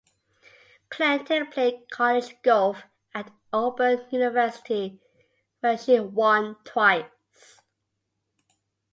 Clanton played college golf at Auburn University where she won twice.